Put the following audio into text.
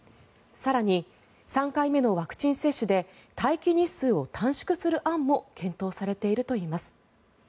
更に、３回目のワクチン接種で待機日数を短縮する案も検討されているといいます。